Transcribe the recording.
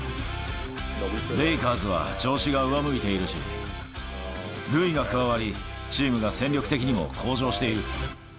レイカーズは調子が上向いているし、塁が加わり、チームが戦力的にも向上している。